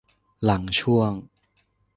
หลังช่วง